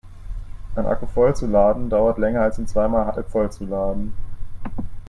Einen Akku voll zu laden dauert länger als ihn zweimal halbvoll zu laden.